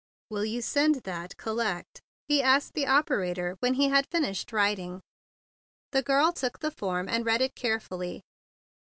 "Will you send that collect ?" he asked the operator when he had finished writing. The girl took the blank, and read it carefully.